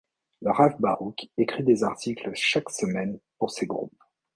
Le Rav Baruch écrit des articles chaque semaine pour ces groupes.